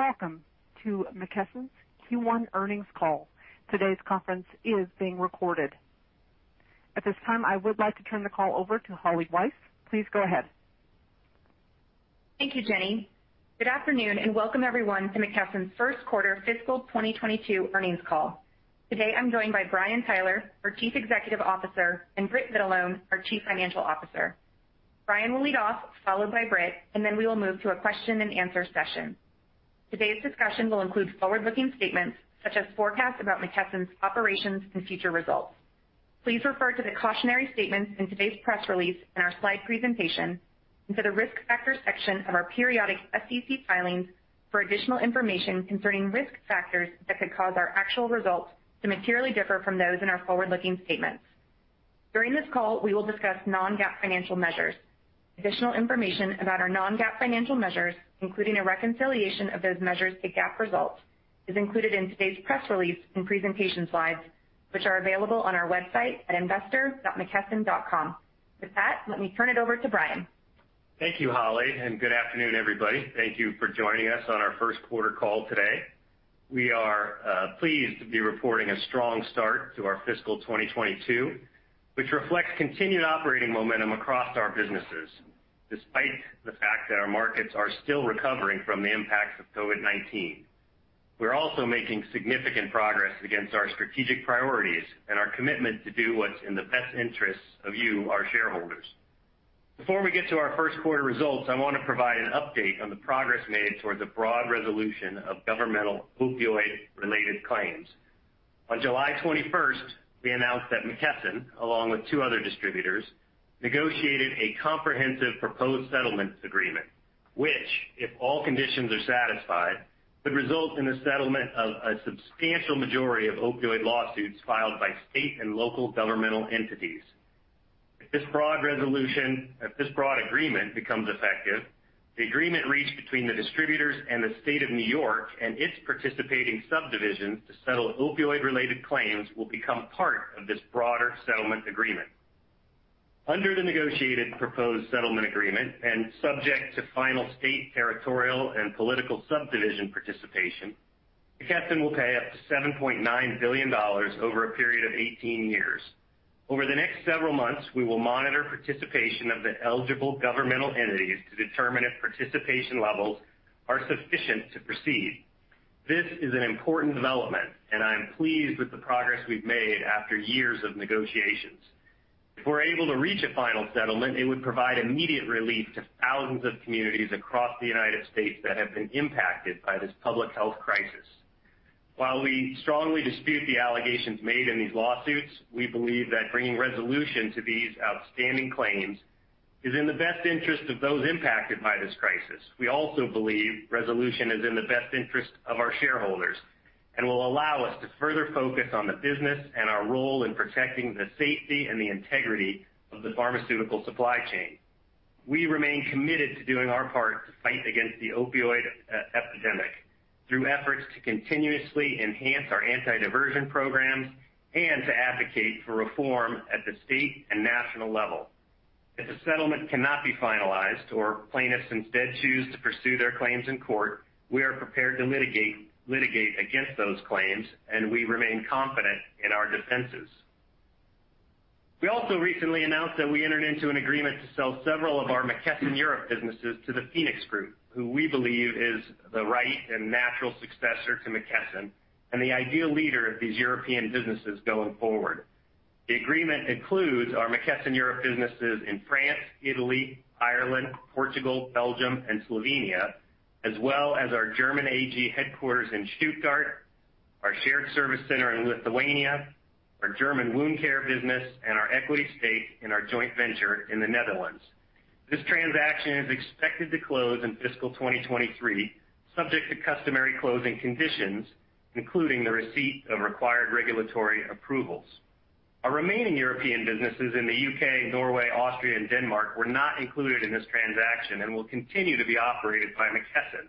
Welcome to McKesson's Q1 earnings call. Today's conference is being recorded. At this time, I would like to turn the call over to Holly Weiss. Please go ahead. Thank you, Jenny. Good afternoon, and welcome everyone to McKesson's first quarter fiscal 2022 earnings call. Today, I'm joined by Brian Tyler, our Chief Executive Officer, and Britt Vitalone, our Chief Financial Officer. Brian will lead off, followed by Britt, and then we will move to a question-and-answer session. Today's discussion will include forward-looking statements such as forecasts about McKesson's operations and future results. Please refer to the cautionary statements in today's press release and our slide presentation, and to the risk factors section of our periodic SEC filings for additional information concerning risk factors that could cause our actual results to materially differ from those in our forward-looking statements. During this call, we will discuss non-GAAP financial measures. Additional information about our non-GAAP financial measures, including a reconciliation of those measures to GAAP results, is included in today's press release and presentation slides, which are available on our website at investor.mckesson.com. With that, let me turn it over to Brian. Thank you, Holly. Good afternoon, everybody. Thank you for joining us on our first quarter call today. We are pleased to be reporting a strong start to our fiscal 2022, which reflects continued operating momentum across our businesses, despite the fact that our markets are still recovering from the impacts of COVID-19. We're also making significant progress against our strategic priorities and our commitment to do what's in the best interests of you, our shareholders. Before we get to our first quarter results, I want to provide an update on the progress made towards a broad resolution of governmental opioid-related claims. On July 21st, we announced that McKesson, along with two other distributors, negotiated a comprehensive proposed settlement agreement, which, if all conditions are satisfied, could result in a settlement of a substantial majority of opioid lawsuits filed by state and local governmental entities. If this broad agreement becomes effective, the agreement reached between the distributors and the State of New York and its participating subdivisions to settle opioid-related claims will become part of this broader settlement agreement. Under the negotiated proposed settlement agreement and subject to final state, territorial, and political subdivision participation, McKesson will pay up to $7.9 billion over a period of 18 years. Over the next several months, we will monitor participation of the eligible governmental entities to determine if participation levels are sufficient to proceed. This is an important development, and I am pleased with the progress we've made after years of negotiations. If we're able to reach a final settlement, it would provide immediate relief to thousands of communities across the United States that have been impacted by this public health crisis. While we strongly dispute the allegations made in these lawsuits, we believe that bringing resolution to these outstanding claims is in the best interest of those impacted by this crisis. We also believe resolution is in the best interest of our shareholders and will allow us to further focus on the business and our role in protecting the safety and the integrity of the pharmaceutical supply chain. We remain committed to doing our part to fight against the opioid epidemic through efforts to continuously enhance our anti-diversion programs and to advocate for reform at the state and national levels. If the settlement cannot be finalized or plaintiffs instead choose to pursue their claims in court, we are prepared to litigate against those claims, and we remain confident in our defenses. We also recently announced that we entered into an agreement to sell several of our McKesson Europe businesses to the PHOENIX group, which we believe is the right and natural successor to McKesson and the ideal leader of these European businesses going forward. The agreement includes our McKesson Europe businesses in France, Italy, Ireland, Portugal, Belgium, and Slovenia, as well as our German AG headquarters in Stuttgart, our shared service center in Lithuania, our German wound care business, and our equity stake in our joint venture in the Netherlands. This transaction is expected to close in fiscal 2023, subject to customary closing conditions, including the receipt of required regulatory approvals. Our remaining European businesses in the U.K., Norway, Austria, and Denmark were not included in this transaction and will continue to be operated by McKesson.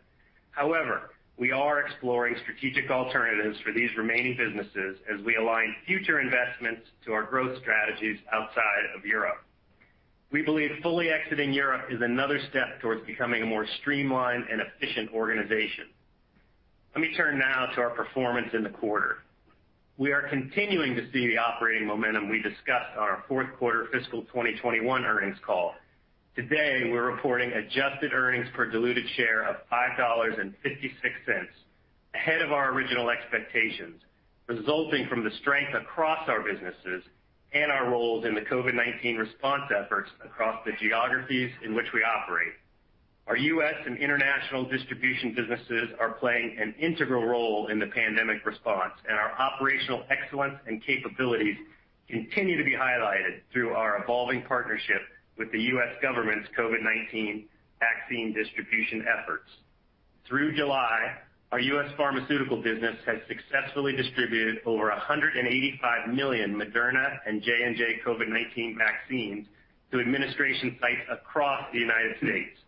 However, we are exploring strategic alternatives for these remaining businesses as we align future investments to our growth strategies outside of Europe. We believe fully exiting Europe is another step towards becoming a more streamlined and efficient organization. Let me turn now to our performance in the quarter. We are continuing to see the operating momentum we discussed on our fourth quarter fiscal 2021 earnings call. Today, we're reporting adjusted earnings per diluted share of $5.56, ahead of our original expectations, resulting from the strength across our businesses and our roles in the COVID-19 response efforts across the geographies in which we operate. Our U.S. and international distribution businesses are playing an integral role in the pandemic response, and our operational excellence and capabilities continue to be highlighted through our evolving partnership with the U.S. government's COVID-19 vaccine distribution efforts. Through July, our U.S. Pharmaceutical business has successfully distributed over 185 million Moderna and J&J COVID-19 vaccines to administration sites across the United States,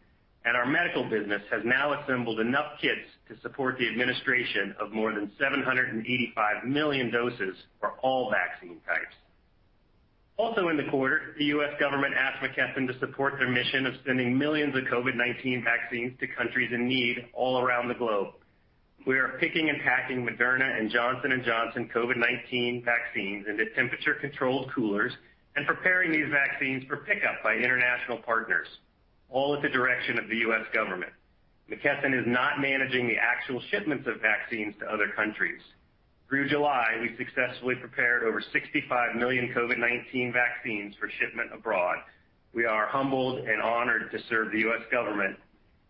and our Medical-Surgical Solutions business has now assembled enough kits to support the administration of more than 785 million doses for all vaccine types. Also in the quarter, the U.S. government asked McKesson to support their mission of sending millions of COVID-19 vaccines to countries in need all around the globe. We are picking and packing Moderna and Johnson & Johnson COVID-19 vaccines into temperature-controlled coolers and preparing these vaccines for pickup by international partners, all at the direction of the U.S. government. McKesson is not managing the actual shipments of vaccines to other countries. Through July, we successfully prepared over 65 million COVID-19 vaccines for shipment abroad. We are humbled and honored to serve the U.S. government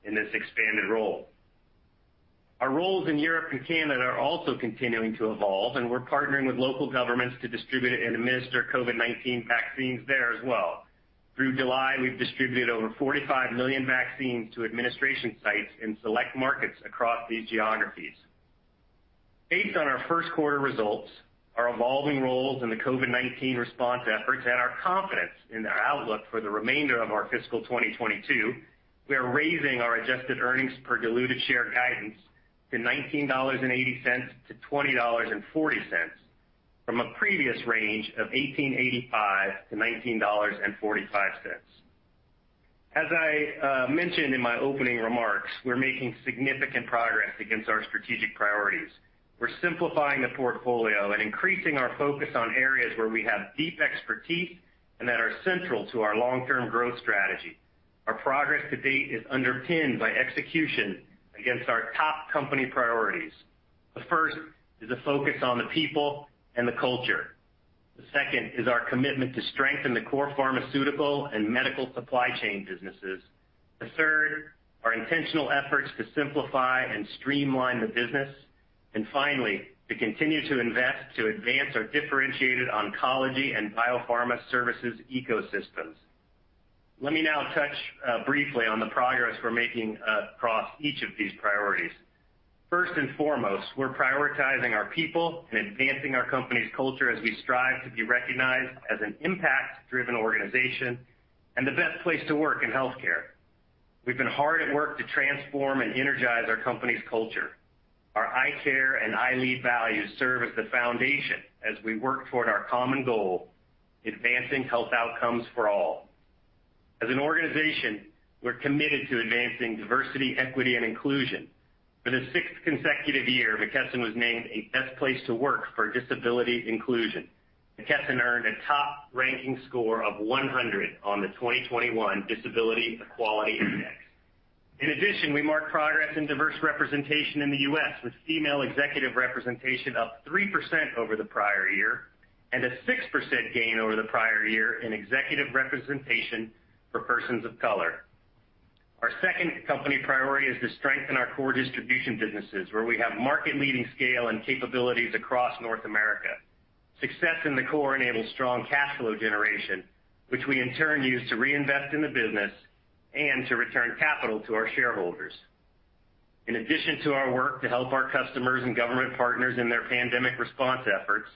in this expanded role. Our roles in Europe and Canada are also continuing to evolve. We're partnering with local governments to distribute and administer COVID-19 vaccines there as well. Through July, we've distributed over 45 million vaccines to administration sites in select markets across these geographies. Based on our first quarter results, our evolving roles in the COVID-19 response efforts, and our confidence in our outlook for the remainder of our fiscal 2022, we are raising our adjusted earnings per diluted share guidance to $19.80-$20.40 from a previous range of $18.85-$19.45. As I mentioned in my opening remarks, we're making significant progress against our strategic priorities. We're simplifying the portfolio and increasing our focus on areas where we have deep expertise and that are central to our long-term growth strategy. Our progress to date is underpinned by execution against our top company priorities. The first is the focus on the people and the culture. The second is our commitment to strengthen the core Pharmaceutical and Medical supply chain businesses. The third is our intentional efforts to simplify and streamline the business. Finally, to continue to invest to advance our differentiated oncology and biopharma services ecosystems. Let me now touch briefly on the progress we're making across each of these priorities. First and foremost, we're prioritizing our people and advancing our company's culture as we strive to be recognized as an impact-driven organization and the best place to work in healthcare. We've been hard at work to transform and energize our company's culture. Our ICARE and ILEAD values serve as the foundation as we work toward our common goal, advancing health outcomes for all. As an organization, we're committed to advancing diversity, equity, and inclusion. For the sixth consecutive year, McKesson was named a best place to work for disability inclusion. McKesson earned a top ranking score of 100 on the 2021 Disability Equality Index. In addition, we marked progress in diverse representation in the U.S., with female executive representation up 3% over the prior year and a 6% gain over the prior year in executive representation for persons of color. Our second company priority is to strengthen our core distribution businesses, where we have market-leading scale and capabilities across North America. Success in the core enables strong cash flow generation, which we, in turn, use to reinvest in the business and to return capital to our shareholders. In addition to our work to help our customers and government partners in their pandemic response efforts,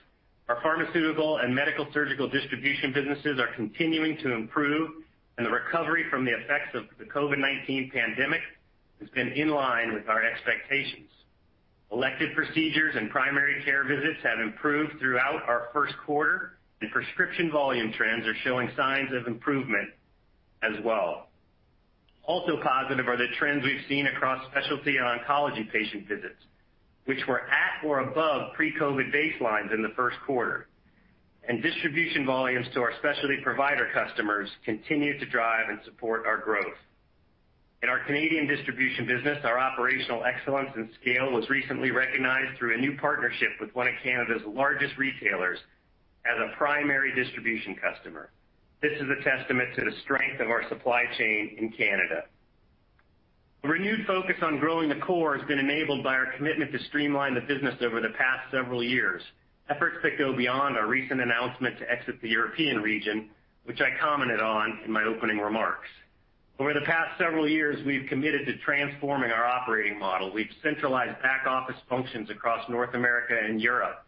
our Pharmaceutical and Medical-Surgical Solutions businesses are continuing to improve, and the recovery from the effects of the COVID-19 pandemic has been in line with our expectations. Elective procedures and primary care visits have improved throughout our first quarter, and prescription volume trends are showing signs of improvement as well. Also positive are the trends we've seen across specialty and oncology patient visits, which were at or above pre-COVID baselines in the first quarter. Distribution volumes to our specialty provider customers continue to drive and support our growth. In our Canadian distribution business, our operational excellence and scale was recently recognized through a new partnership with one of Canada's largest retailers as a primary distribution customer. This is a testament to the strength of our supply chain in Canada. A renewed focus on growing the core has been enabled by our commitment to streamline the business over the past several years, efforts that go beyond our recent announcement to exit the European region, which I commented on in my opening remarks. Over the past several years, we've committed to transforming our operating model. We've centralized back-office functions across North America and Europe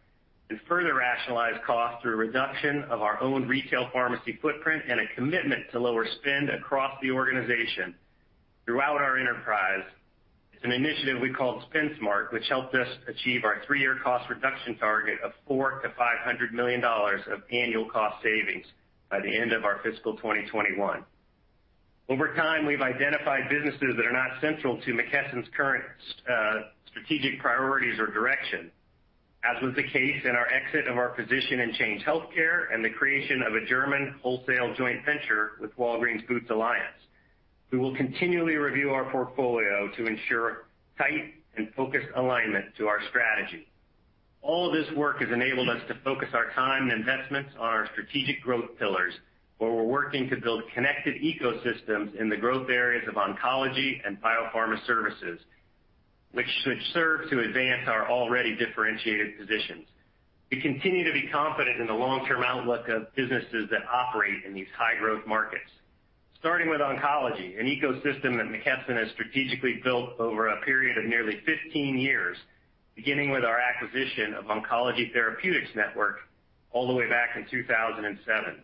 and further rationalized costs through a reduction of our own retail pharmacy footprint and a commitment to lower spend across the organization. Throughout our enterprise, it's an initiative we called Spend Smart, which helped us achieve our three-year cost reduction target of $400 million-$500 million of annual cost savings by the end of our fiscal 2021. Over time, we've identified businesses that are not central to McKesson's current strategic priorities or direction, as was the case in our exit of our position in Change Healthcare and the creation of a German wholesale joint venture with Walgreens Boots Alliance. We will continually review our portfolio to ensure tight and focused alignment to our strategy. All of this work has enabled us to focus our time and investments on our strategic growth pillars, where we're working to build connected ecosystems in the growth areas of oncology and biopharma services, which should serve to advance our already differentiated positions. We continue to be confident in the long-term outlook of businesses that operate in these high-growth markets. Starting with oncology, an ecosystem that McKesson has strategically built over a period of nearly 15 years, beginning with our acquisition of Oncology Therapeutics Network all the way back in 2007.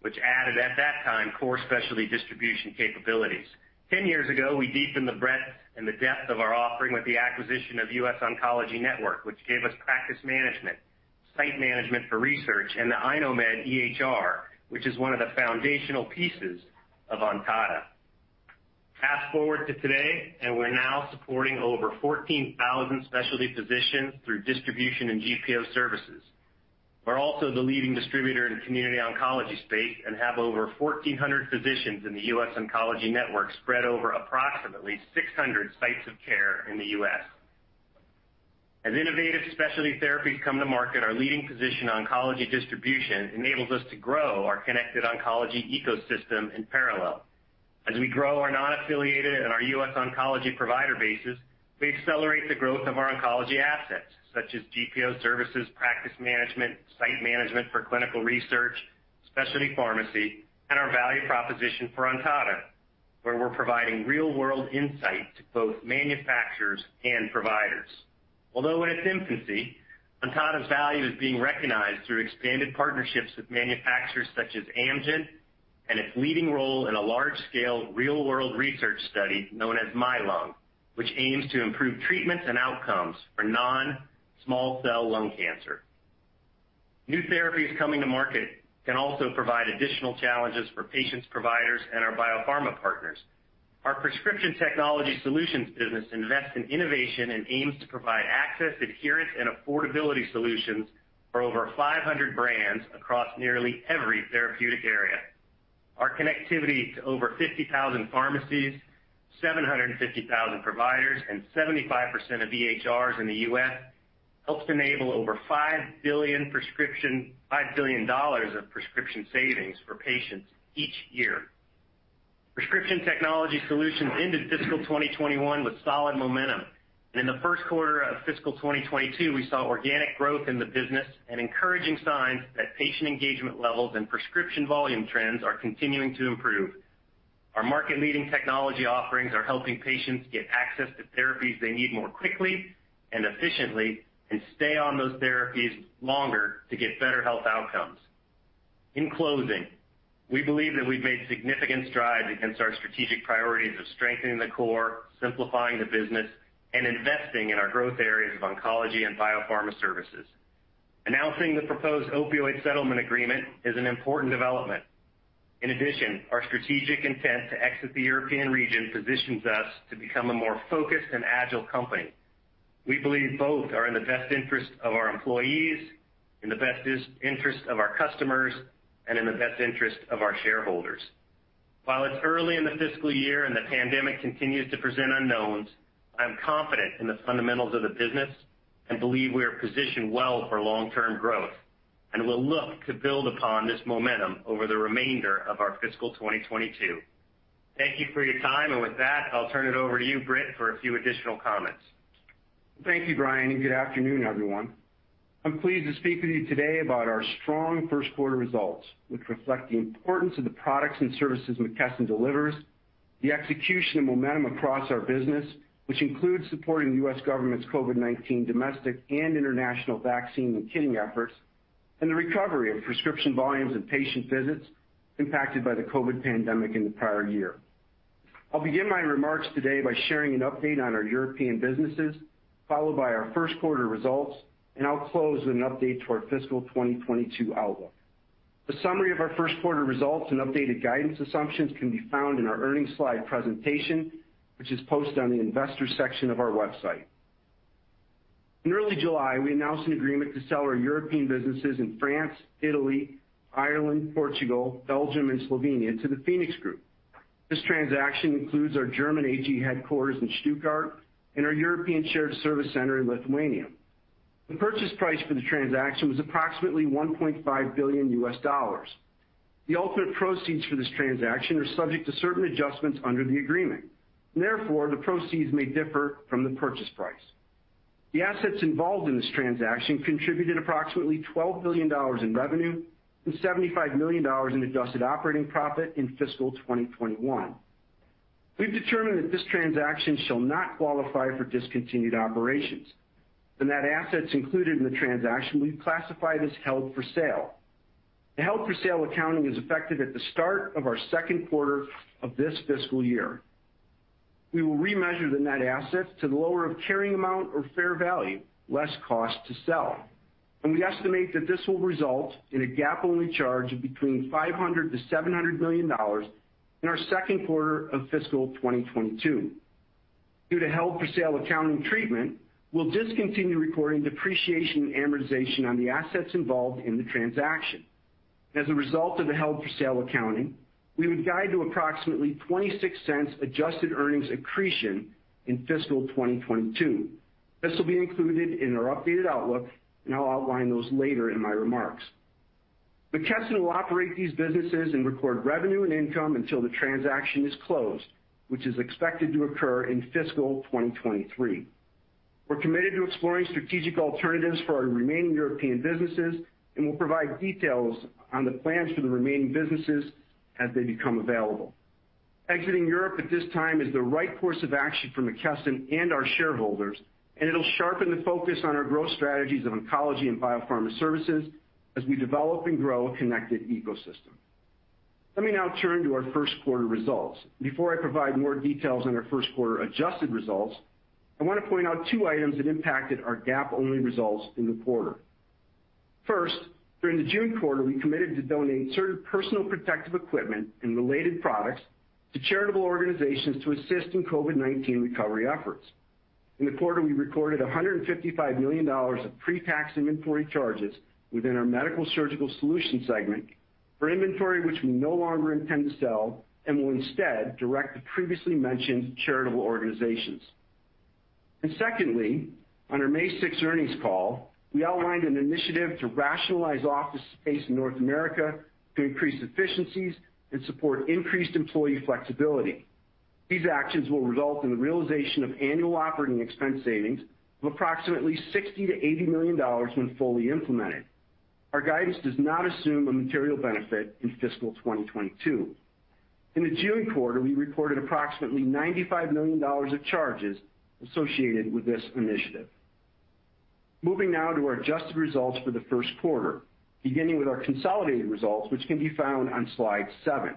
Which added at that time, core specialty distribution capabilities. 10 years ago, we deepened the breadth and the depth of our offering with the acquisition of The US Oncology Network, which gave us practice management, site management for research, and the iKnowMed EHR, which is one of the foundational pieces of Ontada. Fast-forward to today, and we're now supporting over 14,000 specialty physicians through distribution and GPO services. We're also the leading distributor in the community oncology space and have over 1,400 physicians in The US Oncology Network spread over approximately 600 sites of care in the U.S. As innovative specialty therapies come to market, our leading position in oncology distribution enables us to grow our connected oncology ecosystem in parallel. As we grow our non-affiliated and our U.S. oncology provider bases, we accelerate the growth of our oncology assets, such as GPO services, practice management, site management for clinical research, specialty pharmacy, and our value proposition for Ontada, where we're providing real-world insight to both manufacturers and providers. Although in its infancy, Ontada's value is being recognized through expanded partnerships with manufacturers such as Amgen and its leading role in a large-scale real-world research study known as MYLUNG, which aims to improve treatments and outcomes for non-small cell lung cancer. New therapies coming to market can also provide additional challenges for patients, providers, and our biopharma partners. Our Prescription Technology Solutions business invests in innovation and aims to provide access, adherence, and affordability solutions for over 500 brands across nearly every therapeutic area. Our connectivity to over 50,000 pharmacies, 750,000 providers, and 75% of EHRs in the U.S. helps enable over $5 billion of prescription savings for patients each year. Prescription Technology Solutions ended fiscal 2021 with solid momentum. In the first quarter of fiscal 2022, we saw organic growth in the business and encouraging signs that patient engagement levels and prescription volume trends are continuing to improve. Our market-leading technology offerings are helping patients get access to therapies they need more quickly and efficiently and stay on those therapies longer to get better health outcomes. In closing, we believe that we've made significant strides against our strategic priorities of strengthening the core, simplifying the business, and investing in our growth areas of oncology and biopharma services. Announcing the proposed opioid settlement agreement is an important development. In addition, our strategic intent to exit the European region positions us to become a more focused and agile company. We believe both are in the best interest of our employees, in the best interest of our customers, and in the best interest of our shareholders. While it's early in the fiscal year and the pandemic continues to present unknowns, I am confident in the fundamentals of the business and believe we are positioned well for long-term growth and will look to build upon this momentum over the remainder of our fiscal 2022. Thank you for your time, and with that, I'll turn it over to you, Britt, for a few additional comments. Thank you, Brian. Good afternoon, everyone. I'm pleased to speak with you today about our strong first quarter results, which reflect the importance of the products and services McKesson delivers, the execution and momentum across our business, which includes supporting the U.S. government's COVID-19 domestic and international vaccine and kitting efforts, and the recovery of prescription volumes and patient visits impacted by the COVID pandemic in the prior year. I'll begin my remarks today by sharing an update on our European businesses, followed by our first quarter results, and I'll close with an update to our fiscal 2022 outlook. The summary of our first quarter results and updated guidance assumptions can be found in our earnings slide presentation, which is posted on the investor section of our website. In early July, we announced an agreement to sell our European businesses in France, Italy, Ireland, Portugal, Belgium, and Slovenia to the PHOENIX group. This transaction includes our German AG headquarters in Stuttgart and our European shared service center in Lithuania. The purchase price for the transaction was approximately $1.5 billion. The ultimate proceeds for this transaction are subject to certain adjustments under the agreement. Therefore, the proceeds may differ from the purchase price. The assets involved in this transaction contributed approximately $12 billion in revenue and $75 million in adjusted operating profit in fiscal 2021. We've determined that this transaction shall not qualify for discontinued operations and that assets included in the transaction will be classified as held-for-sale. The held-for-sale accounting is effective at the start of our second quarter of this fiscal year. We will remeasure the net assets to the lower of carrying amount or fair value, less cost to sell. We estimate that this will result in a GAAP-only charge of between $500 million-$700 million in our second quarter of fiscal 2022. Due to held-for-sale accounting treatment, we'll discontinue recording depreciation and amortization on the assets involved in the transaction. As a result of the held-for-sale accounting, we would guide to approximately $0.26 adjusted earnings accretion in fiscal 2022. This will be included in our updated outlook. I'll outline those later in my remarks. McKesson will operate these businesses and record revenue and income until the transaction is closed, which is expected to occur in fiscal 2023. We're committed to exploring strategic alternatives for our remaining European businesses and will provide details on the plans for the remaining businesses as they become available. Exiting Europe at this time is the right course of action for McKesson and our shareholders, and it'll sharpen the focus on our growth strategies of oncology and biopharma services as we develop and grow a connected ecosystem. Let me now turn to our first quarter results. Before I provide more details on our first quarter adjusted results, I want to point out two items that impacted our GAAP-only results in the quarter. First, during the June quarter, we committed to donating certain personal protective equipment and related products to charitable organizations to assist in COVID-19 recovery efforts. In the quarter, we recorded $155 million of pre-tax inventory charges within our Medical-Surgical Solutions segment for inventory that we no longer intend to sell and will instead direct to the previously mentioned charitable organizations. Secondly, on our May 6th earnings call, we outlined an initiative to rationalize office space in North America to increase efficiencies and support increased employee flexibility. These actions will result in the realization of annual operating expense savings of approximately $60 million-$80 million when fully implemented. Our guidance does not assume a material benefit in fiscal 2022. In the June quarter, we reported approximately $95 million of charges associated with this initiative. Moving now to our adjusted results for the first quarter, beginning with our consolidated results, which can be found on slide seven.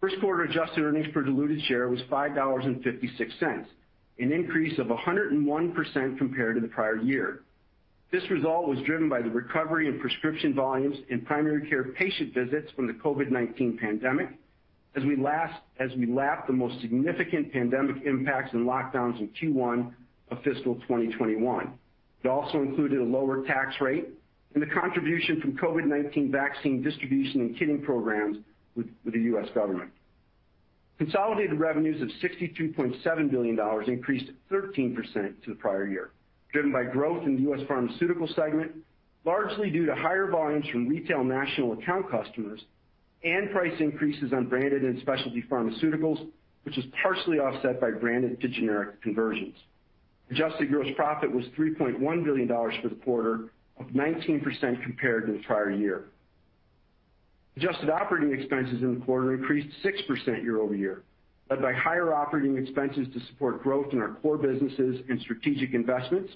First quarter adjusted earnings per diluted share were $5.56, an increase of 101% compared to the prior year. This result was driven by the recovery in prescription volumes in primary care patient visits from the COVID-19 pandemic, as we lapped the most significant pandemic impacts and lockdowns in Q1 of fiscal 2021. It also included a lower tax rate and the contribution from COVID-19 vaccine distribution and kitting programs with the U.S. government. Consolidated revenues of $62.7 billion increased 13% to the prior year, driven by growth in the U.S. Pharmaceutical segment, largely due to higher volumes from retail national account customers and price increases on branded and specialty pharmaceuticals, which were partially offset by branded to generic conversions. Adjusted gross profit was $3.1 billion for the quarter, up 19% compared to the prior year. Adjusted operating expenses in the quarter increased 6% year-over-year, led by higher operating expenses to support growth in our core businesses and strategic investments,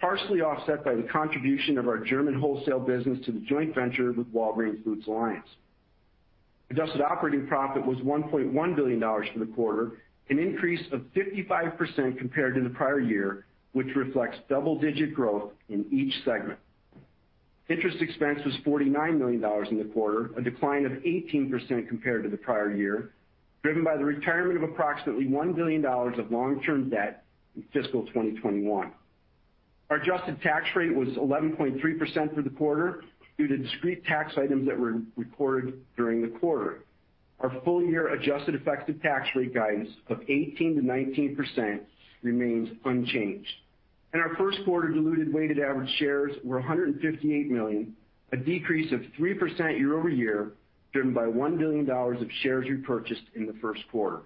partially offset by the contribution of our German wholesale business to the joint venture with Walgreens Boots Alliance. Adjusted operating profit was $1.1 billion for the quarter, an increase of 55% compared to the prior year, which reflects double-digit growth in each segment. Interest expense was $49 million in the quarter, a decline of 18% compared to the prior year, driven by the retirement of approximately $1 billion of long-term debt in fiscal 2021. Our adjusted tax rate was 11.3% for the quarter due to discrete tax items that were reported during the quarter. Our full-year adjusted effective tax rate guidance of 18%-19% remains unchanged. Our first quarter diluted weighted average shares were 158 million, a decrease of 3% year-over-year, driven by $1 billion of shares repurchased in the first quarter.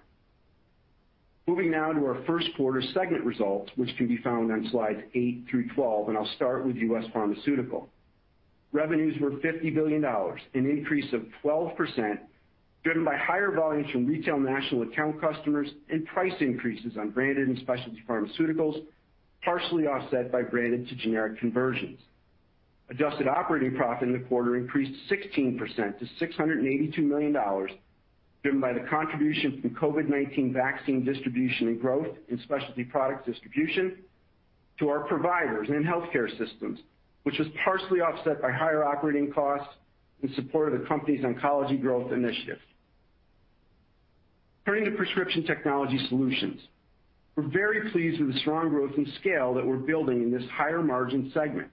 Moving now to our first quarter segment results, which can be found on slides eight through 12. I'll start with U.S. Pharmaceutical. Revenues were $50 billion, an increase of 12%, driven by higher volumes from retail national account customers and price increases on branded and specialty pharmaceuticals, partially offset by branded to generic conversions. Adjusted operating profit in the quarter increased 16% to $682 million, driven by the contribution from COVID-19 vaccine distribution and growth in specialty product distribution to our providers and healthcare systems, which was partially offset by higher operating costs in support of the company's oncology growth initiatives. Turning to Prescription Technology Solutions. We're very pleased with the strong growth and scale that we're building in this higher margin segment.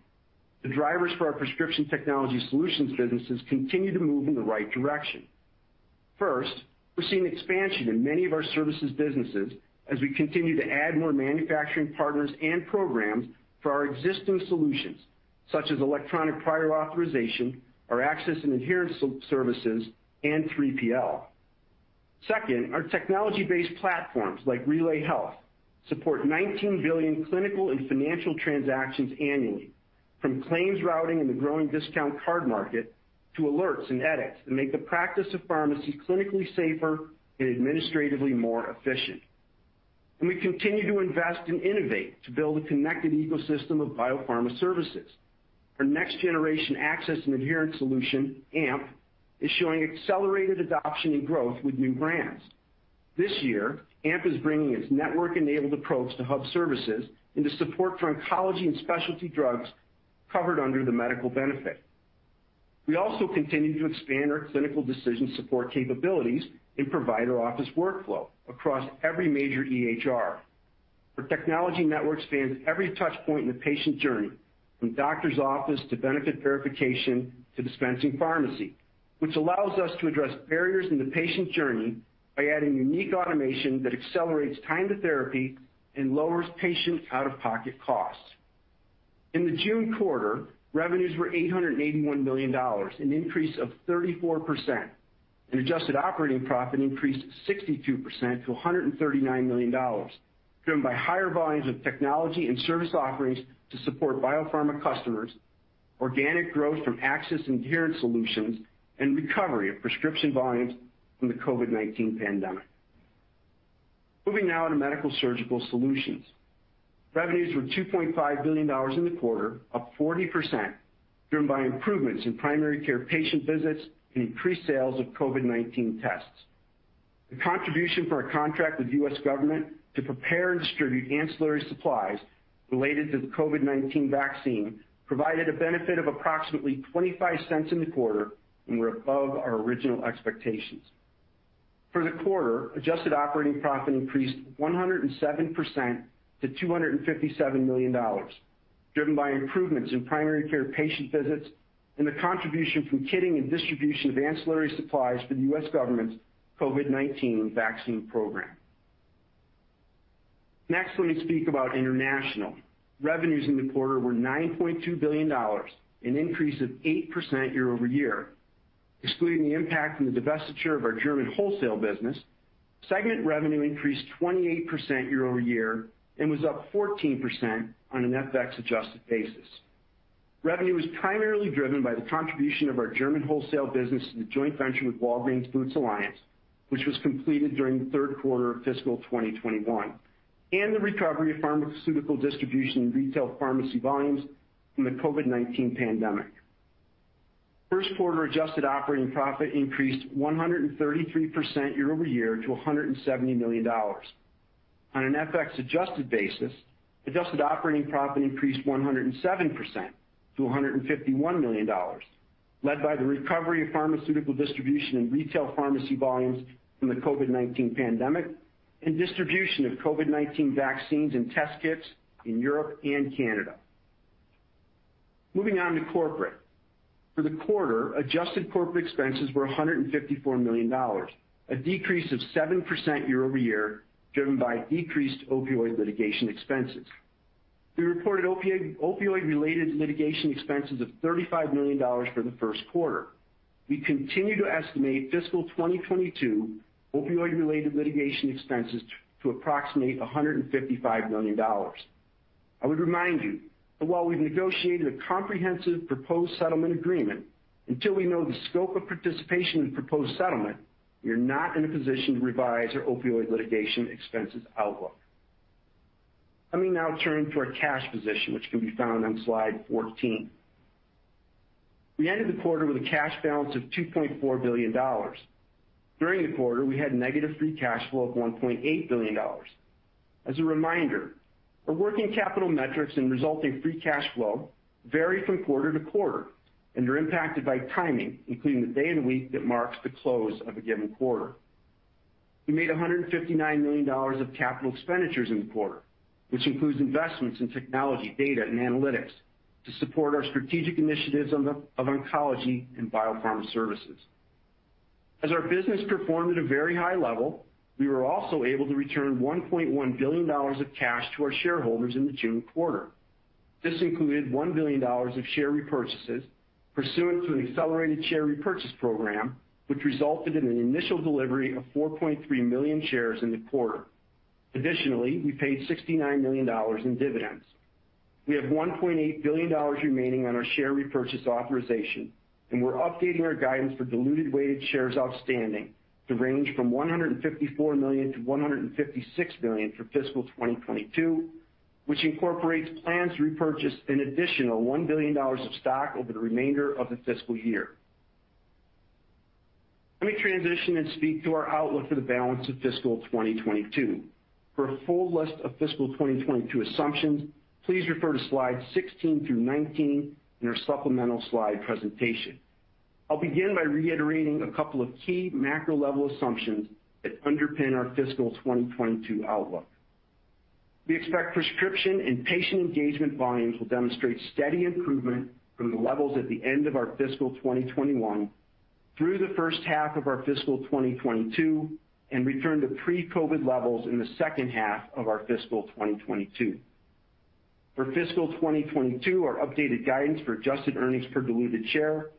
The drivers for our Prescription Technology Solutions businesses continue to move in the right direction. First, we're seeing expansion in many of our services businesses as we continue to add more manufacturing partners and programs for our existing solutions, such as electronic prior authorization, our access and adherence services, and 3PL. Second, our technology-based platforms like RelayHealth support 19 billion clinical and financial transactions annually, from claims routing in the growing discount card market to alerts and edits that make the practice of pharmacy clinically safer and administratively more efficient. We continue to invest and innovate to build a connected ecosystem of biopharma services. Our next-generation access and adherence solution, AMP, is showing accelerated adoption and growth with new brands. This year, AMP is bringing its network-enabled approach to hub services into support for oncology and specialty drugs covered under the medical benefit. We also continue to expand our clinical decision support capabilities in provider office workflow across every major EHR. Our technology network spans every touchpoint in the patient journey, from the doctor's office to benefit verification to dispensing pharmacy, which allows us to address barriers in the patient journey by adding unique automation that accelerates time to therapy and lowers patient out-of-pocket costs. In the June quarter, revenues were $881 million, an increase of 34%, and adjusted operating profit increased 62% to $139 million, driven by higher volumes of technology and service offerings to support biopharma customers' organic growth from access and adherence solutions and recovery of prescription volumes from the COVID-19 pandemic. Moving now into Medical-Surgical Solutions. Revenues were $2.5 billion in the quarter, up 40%, driven by improvements in primary care patient visits and increased sales of COVID-19 tests. The contribution for a contract with the U.S. government to prepare and distribute ancillary supplies related to the COVID-19 vaccine provided a benefit of approximately $0.25 in the quarter and was above our original expectations. For the quarter, adjusted operating profit increased 107% to $257 million, driven by improvements in primary care patient visits and the contribution from kitting and distribution of ancillary supplies for the U.S. government's COVID-19 vaccine program. Let me speak about International. Revenues in the quarter were $9.2 billion, an increase of 8% year-over-year. Excluding the impact from the divestiture of our German wholesale business, segment revenue increased 28% year-over-year and was up 14% on an FX-adjusted basis. Revenue was primarily driven by the contribution of our German wholesale business to the joint venture with Walgreens Boots Alliance, which was completed during the third quarter of fiscal 2021, and the recovery of pharmaceutical distribution and retail pharmacy volumes from the COVID-19 pandemic. First quarter adjusted operating profit increased 133% year-over-year to $170 million. On an FX-adjusted basis, adjusted operating profit increased 107% to $151 million, led by the recovery of pharmaceutical distribution and retail pharmacy volumes from the COVID-19 pandemic and distribution of COVID-19 vaccines and test kits in Europe and Canada. Moving on to Corporate. For the quarter, adjusted corporate expenses were $154 million, a decrease of 7% year-over-year, driven by decreased opioid litigation expenses. We reported opioid-related litigation expenses of $35 million for the first quarter. We continue to estimate fiscal 2022 opioid-related litigation expenses to approximate $155 million. I would remind you that while we've negotiated a comprehensive proposed settlement agreement, until we know the scope of participation in the proposed settlement, we are not in a position to revise our opioid litigation expenses outlook. Let me now turn to our cash position, which can be found on slide 14. We ended the quarter with a cash balance of $2.4 billion. During the quarter, we had negative free cash flow of $1.8 billion. As a reminder, our working capital metrics and resulting free cash flow vary from quarter to quarter and are impacted by timing, including the day of the week that marks the close of a given quarter. We made $159 million of capital expenditures in the quarter, which includes investments in technology, data, and analytics to support our strategic initiatives of oncology and biopharma services. As our business performed at a very high level, we were also able to return $1.1 billion of cash to our shareholders in the June quarter. This included $1 billion of share repurchases pursuant to an accelerated share repurchase program, which resulted in an initial delivery of 4.3 million shares in the quarter. Additionally, we paid $69 million in dividends. We have $1.8 billion remaining on our share repurchase authorization, and we're updating our guidance for diluted weighted shares outstanding to range from 154 million-156 million for fiscal 2022, which incorporates plans to repurchase an additional $1 billion of stock over the remainder of the fiscal year. Let me transition and speak to our outlook for the balance of fiscal 2022. For a full list of fiscal 2022 assumptions, please refer to slides 16 through 19 in our supplemental slide presentation. I'll begin by reiterating a couple of key macro-level assumptions that underpin our fiscal 2022 outlook. We expect prescription and patient engagement volumes will demonstrate steady improvement from the levels at the end of our fiscal 2021 through the first half of our fiscal 2022 and return to pre-COVID-19 levels in the second half of our fiscal 2022. For fiscal 2022, our updated guidance for adjusted earnings per diluted share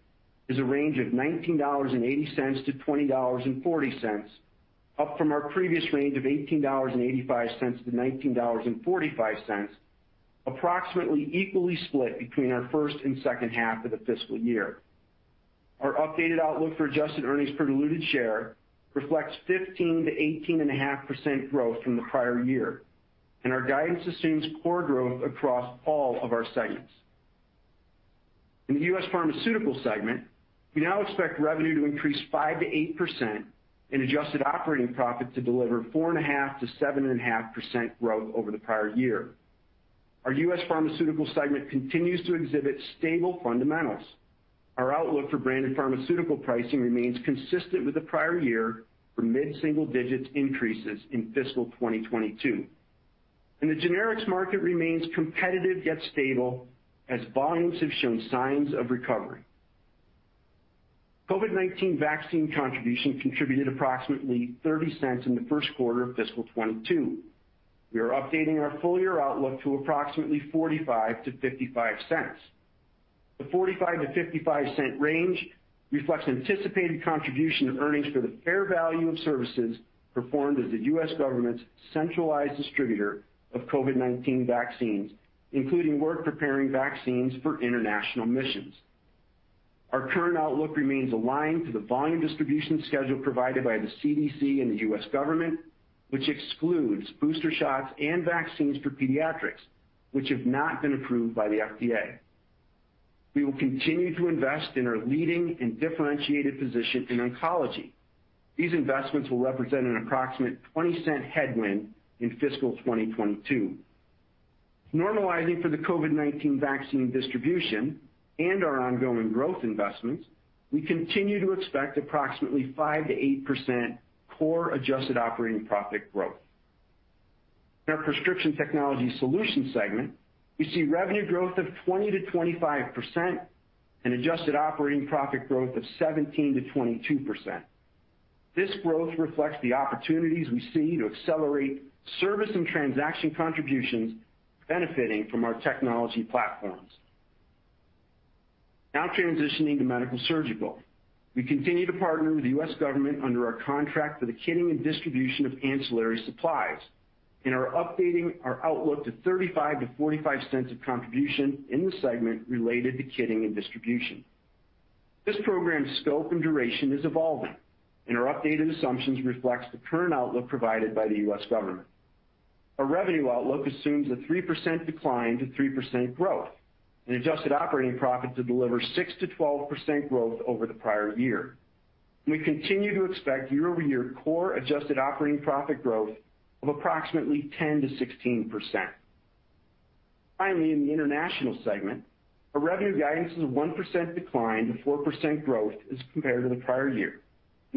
is a range of $19.80-$20.40, up from our previous range of $18.85-$19.45, approximately equally split between our first and second half of the fiscal year. Our updated outlook for adjusted earnings per diluted share reflects 15%-18.5% growth from the prior year. Our guidance assumes core growth across all of our segments. In the U.S. Pharmaceutical segment, we now expect revenue to increase 5%-8% and adjusted operating profit to deliver 4.5%-7.5% growth over the prior year. Our U.S. Pharmaceutical segment continues to exhibit stable fundamentals. Our outlook for branded pharmaceutical pricing remains consistent with the prior year for mid-single-digit increases in fiscal 2022. The generics market remains competitive, yet stable, as volumes have shown signs of recovery. The COVID-19 vaccine contribution contributed approximately $0.30 in the first quarter of fiscal 2022. We are updating our full-year outlook to approximately $0.45-$0.55. The $0.45-$0.55 range reflects anticipated contribution to earnings for the fair value of services performed as the U.S. government's centralized distributor of COVID-19 vaccines, including work preparing vaccines for international missions. Our current outlook remains aligned to the volume distribution schedule provided by the CDC and the U.S. government, which excludes booster shots and vaccines for pediatrics, which have not been approved by the FDA. We will continue to invest in our leading and differentiated position in oncology. These investments will represent an approximate $0.20 headwind in fiscal 2022. Normalizing for the COVID-19 vaccine distribution and our ongoing growth investments, we continue to expect approximately 5%-8% core adjusted operating profit growth. In our Prescription Technology Solutions segment, we see revenue growth of 20%-25% and adjusted operating profit growth of 17%-22%. This growth reflects the opportunities we see to accelerate service and transaction contributions, benefiting from our technology platforms. Now transitioning to Medical-Surgical Solutions. We continue to partner with the U.S. government under our contract for the kitting and distribution of ancillary supplies and are updating our outlook to $0.35-$0.45 of contribution in the segment related to kitting and distribution. This program's scope and duration is evolving, and our updated assumptions reflects the current outlook provided by the U.S. government. Our revenue outlook assumes a 3% decline to 3% growth and adjusted operating profit to deliver 6%-12% growth over the prior year. We continue to expect year-over-year core adjusted operating profit growth of approximately 10%-16%. Finally, in the International segment, our revenue guidance is a 1% decline to 4% growth as compared to the prior year.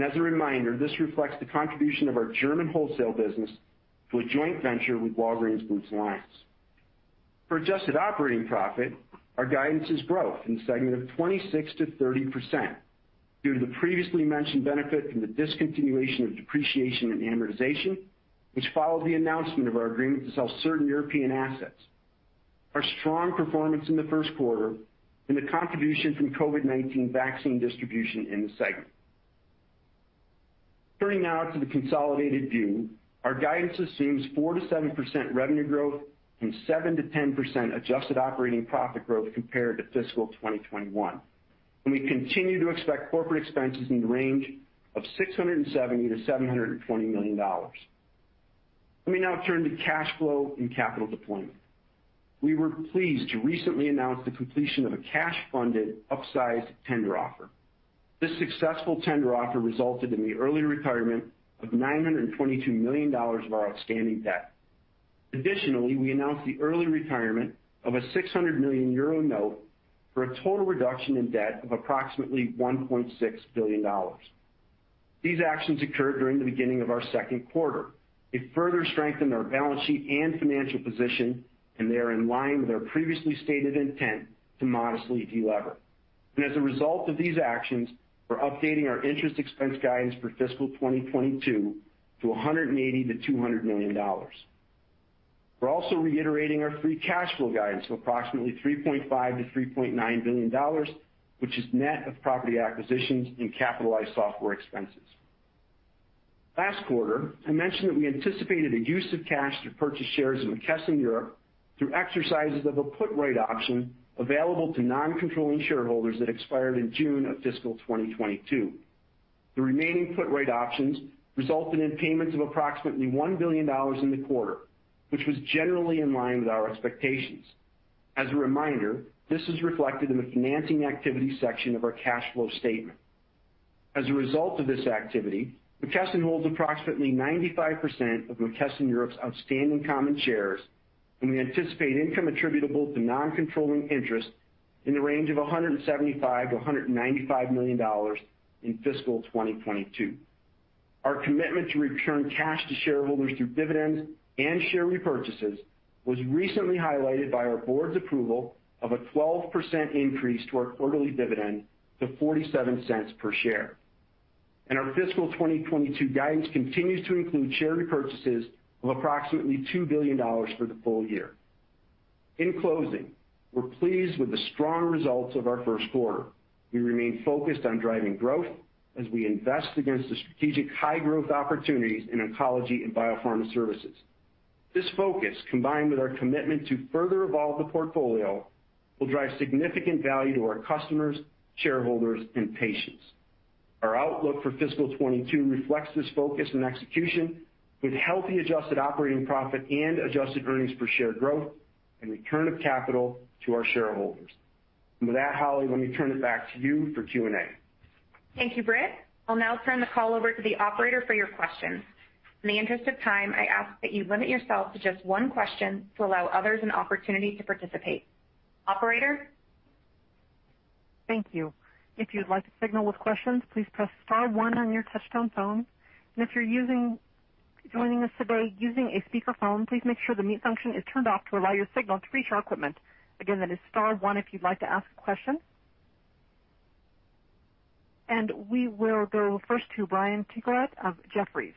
As a reminder, this reflects the contribution of our German wholesale business to a joint venture with Walgreens Boots Alliance. For adjusted operating profit, our guidance is growth in the segment of 26%-30% due to the previously mentioned benefit from the discontinuation of depreciation and amortization, which followed the announcement of our agreement to sell certain European assets, our strong performance in the first quarter, and the contribution from COVID-19 vaccine distribution in the segment. Turning now to the consolidated view, our guidance assumes 4%-7% revenue growth and 7%-10% adjusted operating profit growth compared to fiscal 2021. We continue to expect corporate expenses in the range of $670 million-$720 million. Let me now turn to cash flow and capital deployment. We were pleased to recently announce the completion of a cash-funded upsized tender offer. This successful tender offer resulted in the early retirement of $922 million of our outstanding debt. We announced the early retirement of a 600 million euro note for a total reduction in debt of approximately $1.6 billion. These actions occurred during the beginning of our second quarter. They further strengthen our balance sheet and financial position, and they are in line with our previously stated intent to modestly de-lever. As a result of these actions, we're updating our interest expense guidance for fiscal 2022 to $180 million-$200 million. We're also reiterating our free cash flow guidance to approximately $3.5 billion-$3.9 billion, which is net of property acquisitions and capitalized software expenses. Last quarter, I mentioned that we anticipated a use of cash to purchase shares of McKesson Europe through exercises of a put right option available to non-controlling shareholders that expired in June of fiscal 2022. The remaining put right options resulted in payments of approximately $1 billion in the quarter, which was generally in line with our expectations. As a reminder, this is reflected in the financing activity section of our cash flow statement. As a result of this activity, McKesson holds approximately 95% of McKesson Europe's outstanding common shares, and we anticipate income attributable to non-controlling interest in the range of $175 million-$195 million in fiscal 2022. Our commitment to return cash to shareholders through dividends and share repurchases was recently highlighted by our Board's approval of a 12% increase to our quarterly dividend to $0.47 per share. Our fiscal 2022 guidance continues to include share repurchases of approximately $2 billion for the full year. In closing, we're pleased with the strong results of our first quarter. We remain focused on driving growth as we invest against the strategic high-growth opportunities in oncology and biopharma services. This focus, combined with our commitment to further evolve the portfolio, will drive significant value to our customers, shareholders, and patients. Our outlook for fiscal 2022 reflects this focus and execution with healthy adjusted operating profit, adjusted earnings per share growth, and return of capital to our shareholders. With that, Holly, let me turn it back to you for Q&A. Thank you, Britt. I'll now turn the call over to the operator for your questions. In the interest of time, I ask that you limit yourself to just one question to allow others an opportunity to participate. Operator? Thank you. If you'd like to signal with questions, please press star one on your touch-tone phone. If you're joining us today using a speakerphone, please make sure the mute function is turned off to allow your signal to reach our equipment. Again, that is star one if you'd like to ask a question. We will go first to Brian Tanquilut of Jefferies.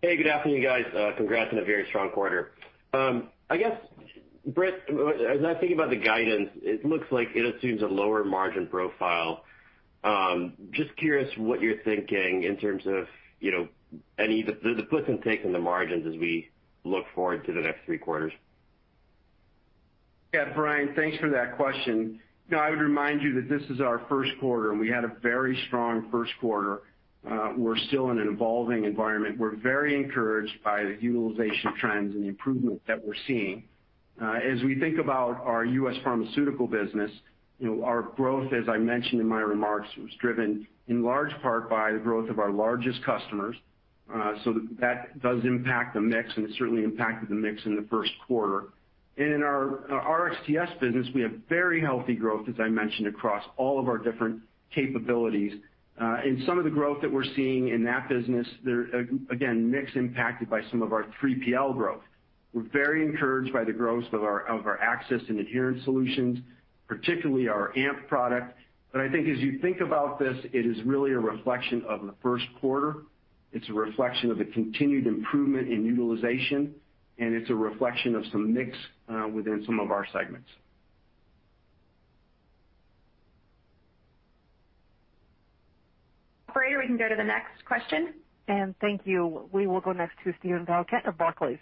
Hey, good afternoon, guys. Congrats on a very strong quarter. Britt, as I think about the guidance, it looks like it assumes a lower margin profile. Just curious, what are you thinking in terms of the push and pull in the margins as we look forward to the next three quarters? Yeah, Brian, thanks for that question. I would remind you that this is our first quarter, and we had a very strong first quarter. We're still in an evolving environment. We're very encouraged by the utilization trends and the improvements that we're seeing. As we think about our U.S. Pharmaceutical business, our growth, as I mentioned in my remarks, was driven in large part by the growth of our largest customers. That does impact the mix, and it certainly impacted the mix in the first quarter. In our RxTS business, we have very healthy growth, as I mentioned, across all of our different capabilities. In some of the growth that we're seeing in that business, again, the mix is impacted by some of our 3PL growth. We're very encouraged by the growth of our access and adherence solutions, particularly our AMP product. I think as you think about this, it is really a reflection of the first quarter, it's a reflection of the continued improvement in utilization, and it's a reflection of some mix within some of our segments. Operator, we can go to the next question. Thank you. We will go next to Steven Valiquette of Barclays.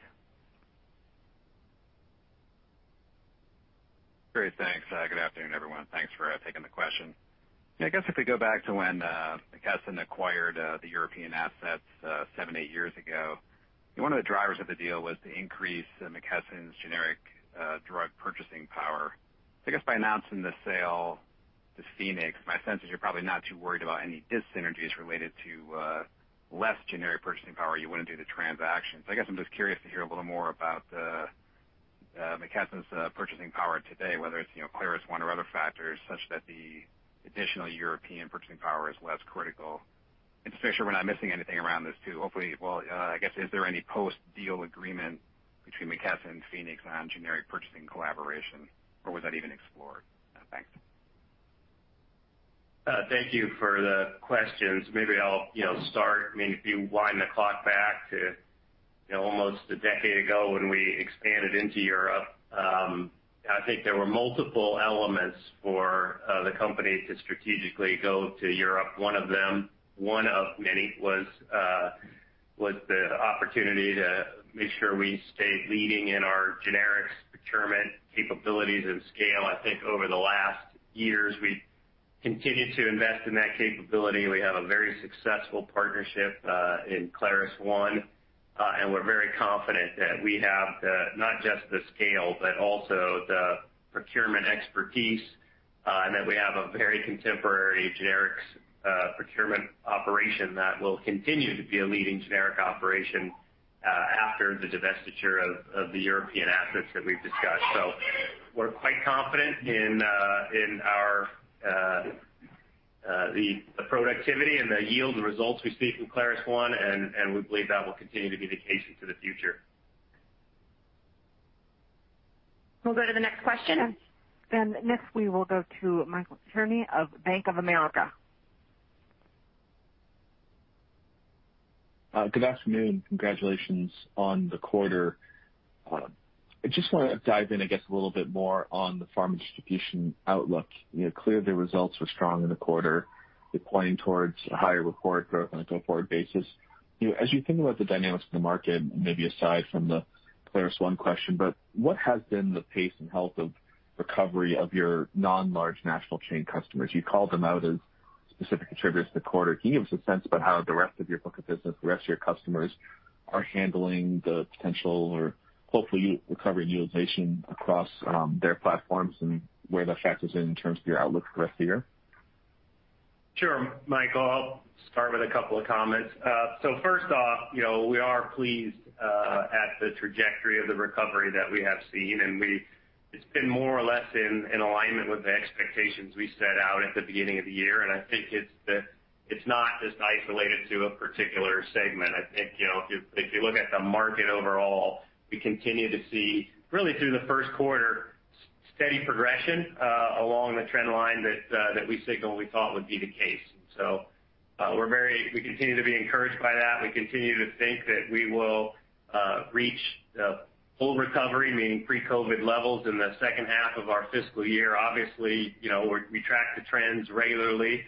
Great. Thanks. Good afternoon, everyone. Thanks for taking the question. Yeah, I guess if we go back to when McKesson acquired the European assets seven or eight years ago, one of the drivers of the deal was to increase McKesson's generic drug purchasing power. I guess by announcing the sale to PHOENIX group, my sense is you're probably not too worried about any dis-synergies related to less generic purchasing power, or you wouldn't do the transaction. I guess I'm just curious to hear a little more about McKesson's purchasing power today, whether it's ClarusONE or other factors, such that the additional European purchasing power is less critical. Just make sure we're not missing anything around this, too. Hopefully, well, I guess, is there any post-deal agreement between McKesson and the PHOENIX group on generic purchasing collaboration, or was that even explored? Thanks. Thank you for the questions. Maybe I'll start. Maybe if you wind the clock back to almost a decade ago, when we expanded into Europe, I think there were multiple elements for the company to strategically go to Europe. One of them, one of many, was the opportunity to make sure we stayed leading in our generics procurement capabilities and scale. I think over the last years, we've continued to invest in that capability, and we have a very successful partnership in ClarusONE, and we're very confident that we have not just the scale, but also the procurement expertise, and that we have a very contemporary generics procurement operation that will continue to be a leading generic operation after the divestiture of the European assets that we've discussed. We're quite confident in the productivity, the yield, and results we see from ClarusONE, and we believe that will continue to be the case into the future. We'll go to the next question. Next, we will go to Michael Cherny of Bank of America. Good afternoon. Congratulations on the quarter. I just want to dive in, I guess, a little bit more on the pharma distribution outlook. Clearly, results were strong in the quarter. You're pointing towards a higher report growth on a go-forward basis. As you think about the dynamics of the market, maybe aside from the ClarusONE question, but what has been the pace and health of recovery of your non-large national chain customers? You called them out as specific contributors to the quarter. Can you give us a sense about how the rest of your book of business, the rest of your customers, are handling the potential or hopefully recovering utilization across their platforms, and where the effect is in terms of your outlook for the rest of the year? Sure, Michael. I'll start with a couple of comments. First off, we are pleased at the trajectory of the recovery that we have seen, and it's been more or less in alignment with the expectations we set out at the beginning of the year. I think it's not just isolated to a particular segment. I think, if you look at the market overall, we continue to see, really through the first quarter, steady progression along the trend line that we signaled and we thought would be the case. We continue to be encouraged by that. We continue to think that we will reach full recovery, meaning pre-COVID-19 levels, in the second half of our fiscal year. Obviously, we track the trends regularly.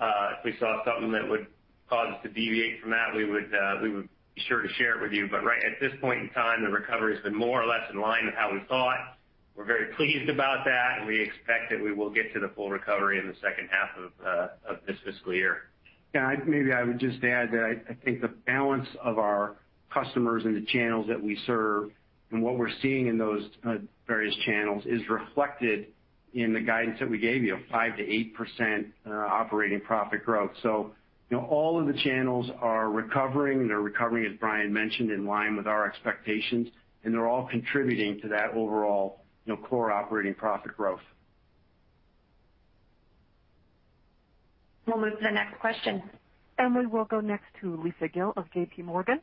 If we saw something that would cause us to deviate from that, we would be sure to share it with you. Right at this point in time, the recovery has been more or less in line with how we thought. We're very pleased about that, and we expect that we will get to the full recovery in the second half of this fiscal year. Yeah. Maybe I would just add that I think the balance of our customers and the channels that we serve, and what we're seeing in those various channels, is reflected in the guidance that we gave you of 5%-8% operating profit growth. All of the channels are recovering. They're recovering, as Brian mentioned, in line with our expectations, and they're all contributing to that overall core operating profit growth. We'll move to the next question. We will go next to Lisa Gill of JPMorgan.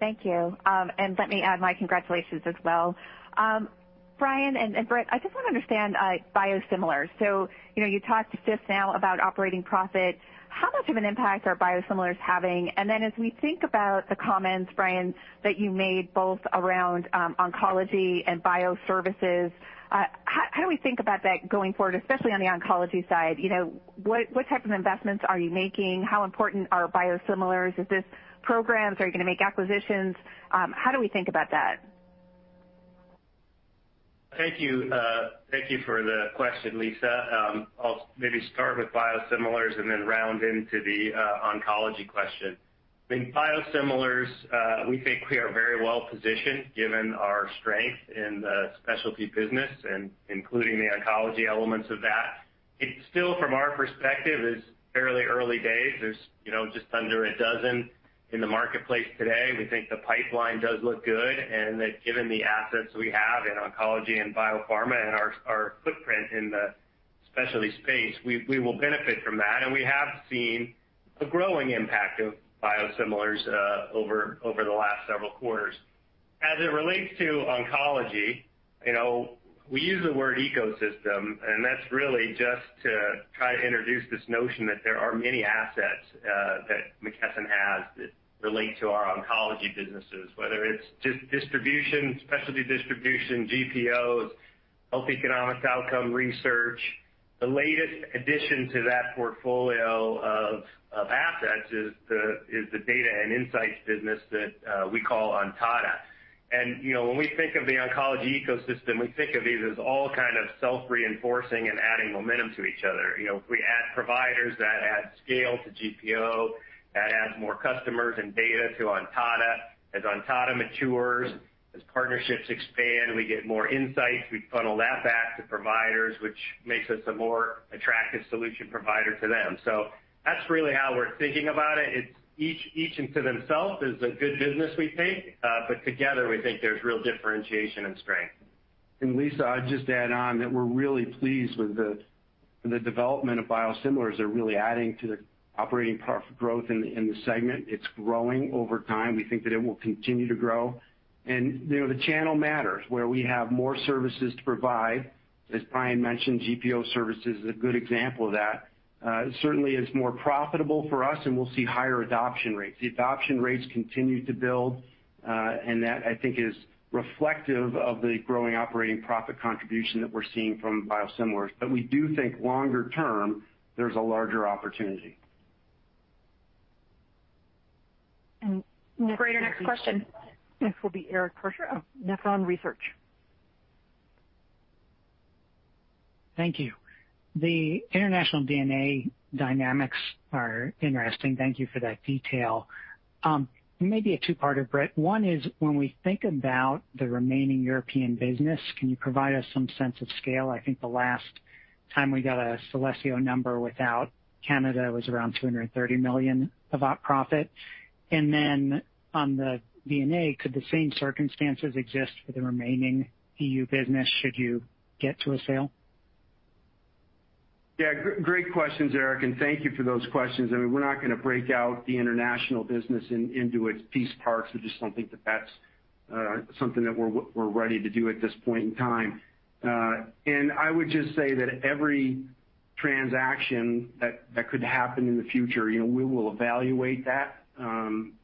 Let me add my congratulations as well. Brian and Britt, I just want to understand biosimilars. You talked just now about operating profit. How much of an impact are biosimilars having? As we think about the comments Brian made both around oncology and bioservices, how do we think about that going forward, especially on the oncology side? What type of investments are you making? How important are biosimilars? Is this a program? Are you going to make acquisitions? How do we think about that? Thank you for the question, Lisa. I'll maybe start with biosimilars, then round into the oncology question. In biosimilars, we think we are very well positioned given our strength in the specialty business, including the oncology elements of that. It's still, from our perspective, is fairly early days. There are just under a dozen in the marketplace today. We think the pipeline does look good, given the assets we have in oncology and biopharma and our footprint in the specialty space, we will benefit from that. We have seen a growing impact of biosimilars over the last several quarters. As it relates to oncology, we use the word ecosystem, that's really just to try to introduce this notion that there are many assets that McKesson has that relate to our oncology businesses, whether it's just distribution, specialty distribution, GPOs, or health economics outcome research. The latest addition to that portfolio of assets is the data and insights business that we call Ontada. When we think of the oncology ecosystem, we think of these as all kinds of self-reinforcing and adding momentum to each other. If we add providers, that adds scale to GPO, which adds more customers and data to Ontada. As Ontada matures, as partnerships expand, we get more insights. We funnel that back to providers, which makes us a more attractive solution provider to them. That's really how we're thinking about it. It's each unto themselves is a good business, we think. Together, we think there's real differentiation and strength. Lisa, I'd just add on that we're really pleased with the development of biosimilars. They're really adding to the operating profit growth in the segment. It's growing over time. We think that it will continue to grow. The channel matters, where we have more services to provide. As Brian mentioned, GPO service is a good example of that. It certainly is more profitable for us, and we'll see higher adoption rates. The adoption rates continue to build, and that, I think, is reflective of the growing operating profit contribution that we're seeing from biosimilars. We do think longer term, there's a larger opportunity. Operator, next question. Next will be Eric Percher, of Nephron Research. Thank you. The international D&A dynamics are interesting. Thank you for that detail. Maybe a two-parter, Britt. One is when we think about the remaining European business, can you provide us some sense of scale? I think the last time we got a Celesio number without Canada was around $230 million of op profit. Then on the D&A, could the same circumstances exist for the remaining EU business should you get to a sale? Yeah, great questions, Eric, and thank you for those questions. We're not going to break out the international business into its piece parts. I just don't think that that's something that we're ready to do at this point in time. I would just say that every transaction that could happen in the future, we will evaluate that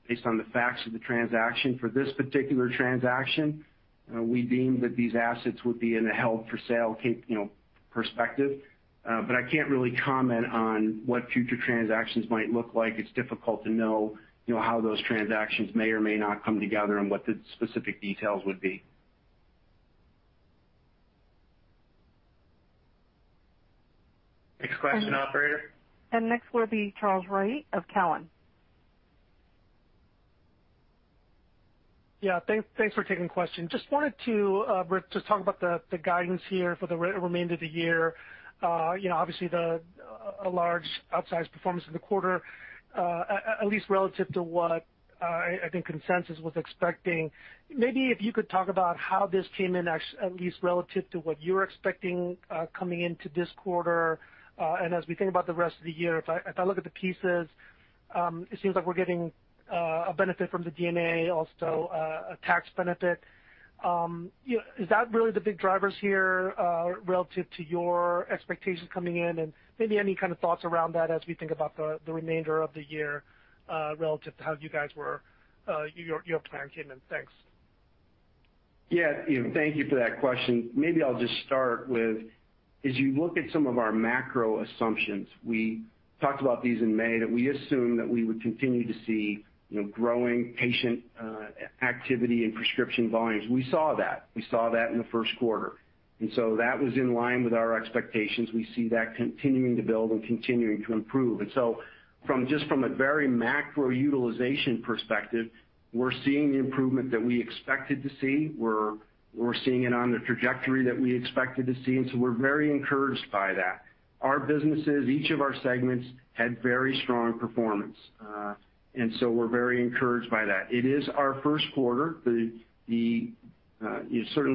based on the facts of the transaction. For this particular transaction, we deemed that these assets would be in a held-for-sale perspective. I can't really comment on what future transactions might look like. It's difficult to know how those transactions may or may not come together and what the specific details would be. Next question, operator. Next will be Charles Rhyee of Cowen. Yeah. Thanks for taking the question. Britt, just talk about the guidance here for the remainder of the year. Obviously, a large outsized performance in the quarter, at least relative to what I think consensus was expecting. Maybe if you could talk about how this came in, at least relative to what you were expecting coming into this quarter. As we think about the rest of the year, if I look at the pieces, it seems like we're getting a benefit from the D&A, also a tax benefit. Is that really the big drivers here, relative to your expectations coming in? Maybe any kind of thoughts around that as we think about the remainder of the year, relative to how your plan came in. Thanks. Yeah. Thank you for that question. Maybe I'll just start with, as you look at some of our macro assumptions, we talked about these in May, that we assumed that we would continue to see growing patient activity and prescription volumes. We saw that. We saw that in the first quarter. That was in line with our expectations. We see that continuing to build and continuing to improve. Just from a very macro utilization perspective, we're seeing the improvement that we expected to see. We're seeing it on the trajectory that we expected to see; we're very encouraged by that. Our businesses, each of our segments, had very strong performance. We're very encouraged by that. It is our first quarter. Certainly,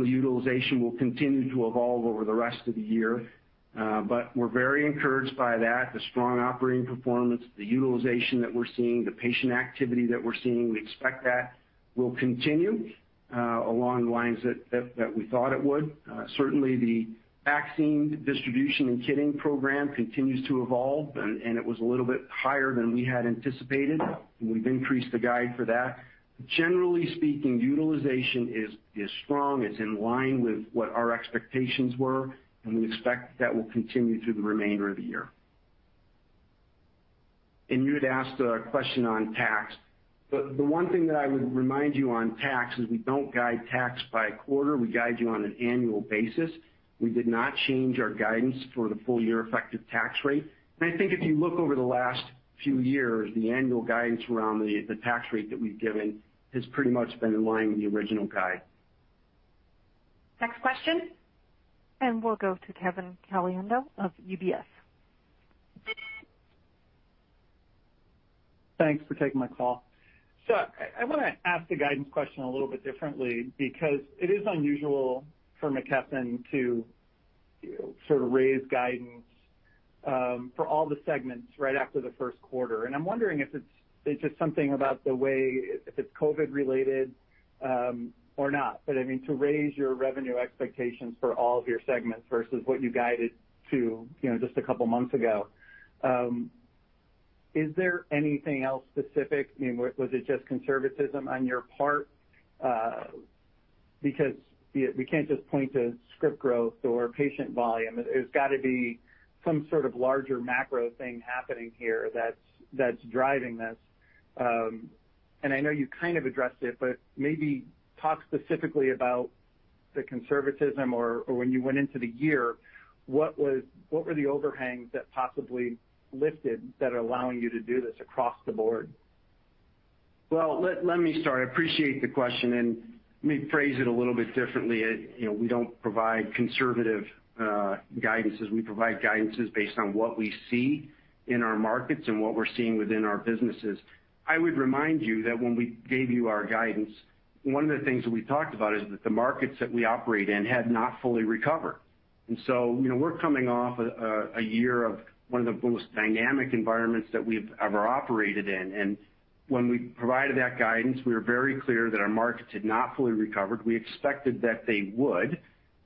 utilization will continue to evolve over the rest of the year. We're very encouraged by that, the strong operating performance, the utilization that we're seeing, and the patient activity that we're seeing. We expect that it will continue along the lines that we thought it would. Certainly, the vaccine distribution and kitting program continues to evolve, and it was a little bit higher than we had anticipated. We've increased the guide for that. Generally speaking, utilization is strong. It's in line with what our expectations were, and we expect that will continue through the remainder of the year. You had asked a question on tax. The one thing that I would remind you on tax is that we don't guide tax by quarter. We guide you on an annual basis. We did not change our guidance for the full-year effective tax rate. I think if you look over the last few years, the annual guidance around the tax rate that we've given has pretty much been in line with the original guide. Next question. We'll go to Kevin Caliendo of UBS. Thanks for taking my call. I want to ask the guidance question a little bit differently because it is unusual for McKesson to sort of raise guidance for all the segments right after the first quarter. I'm wondering if it's just something about the way, if it's COVID-related or not. I mean, to raise your revenue expectations for all of your segments versus what you guided to just a couple of months ago. Is there anything else specific? Was it just conservatism on your part? We can't just point to script growth or patient volume. It's got to be some sort of larger macro thing happening here that's driving this. I know you kind of addressed it, but maybe talk specifically about the conservatism or when you went into the year, what were the overhangs that possibly lifted that are allowing you to do this across the board? Well, let me start. I appreciate the question, and let me phrase it a little bit differently. We don't provide conservative guidance. We provide guidance based on what we see in our markets and what we're seeing within our businesses. I would remind you that when we gave you our guidance, one of the things that we talked about was that the markets that we operate in had not fully recovered. We're coming off a year of one of the most dynamic environments that we've ever operated in. When we provided that guidance, we were very clear that our markets had not fully recovered. We expected that they would,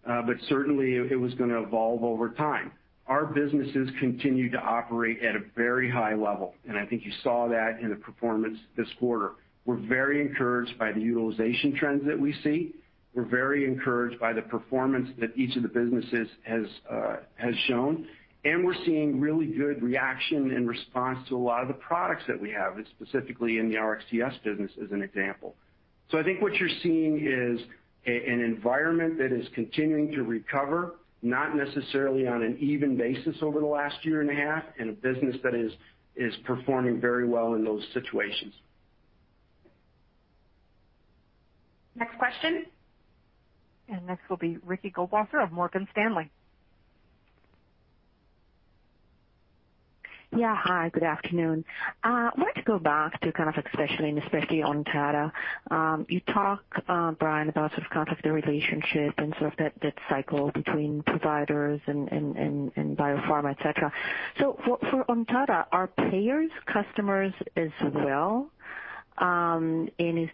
but certainly it was going to evolve over time. Our businesses continue to operate at a very high level, and I think you saw that in the performance this quarter. We're very encouraged by the utilization trends that we see. We're very encouraged by the performance that each of the businesses has shown. We're seeing really good reaction and response to a lot of the products that we have, specifically in the RxTS business, as an example. I think what you're seeing is an environment that is continuing to recover, not necessarily on an even basis over the last year and a half, and a business that is performing very well in those situations. Next question. Next will be Ricky Goldwasser of Morgan Stanley. Yeah. Hi, good afternoon. I wanted to go back to a kind of like specialty, and especially Ontada. You talk, Brian, about sort of the relationship and sort of that cycle between providers and biopharma, et cetera. For Ontada, are payers customers as well? If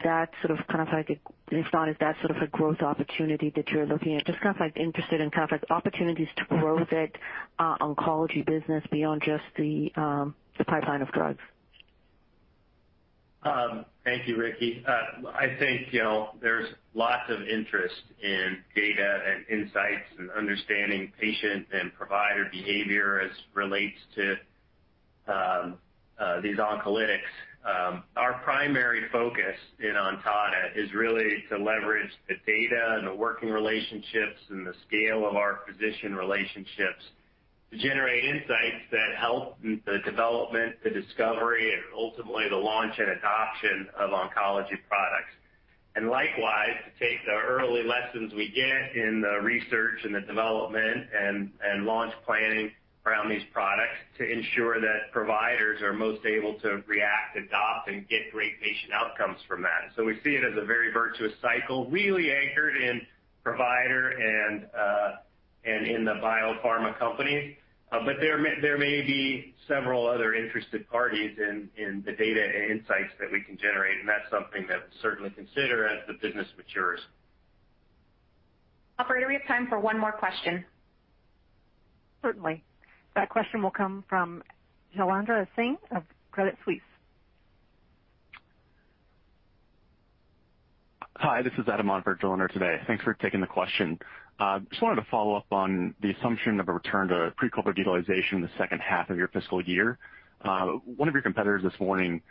not, is that sort of a growth opportunity that you're looking at? Just kind of interested in opportunities to grow that oncology business beyond just the pipeline of drugs. Thank you, Ricky. I think there's lots of interest in data and insights and understanding patient and provider behavior as relates to these oncolytics. Our primary focus in Ontada is really to leverage the data and the working relationships and the scale of our physician relationships to generate insights that help the development, the discovery, and ultimately the launch and adoption of oncology products. Likewise, to take the early lessons we get in the research and the development and launch planning around these products to ensure that providers are most able to react, adopt, and get great patient outcomes from that. We see it as a very virtuous cycle, really anchored in the provider and in the biopharma companies. There may be several other interested parties in the data and insights that we can generate, and that's something that we'll certainly consider as the business matures. Operator, we have time for one more question. Certainly. That question will come from Jailendra Singh of Credit Suisse. Hi, this is Adam on for Jailendra today. Thanks for taking the question. Just wanted to follow up on the assumption of a return to pre-COVID utilization in the second half of your fiscal year. One of your competitors this morning